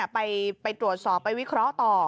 ไปตรวจสอบไปวิเคราะห์ต่อ